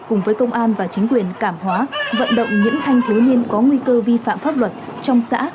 cùng với công an và chính quyền cảm hóa vận động những thanh thiếu niên có nguy cơ vi phạm pháp luật trong xã